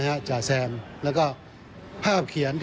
ช่วยให้สามารถสัมผัสถึงความเศร้าต่อการระลึกถึงผู้ที่จากไป